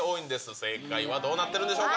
正解はどうなってるでしょうか。